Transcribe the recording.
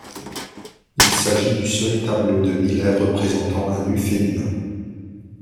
Il s'agit du seul tableau de Millais représentant un nu féminin.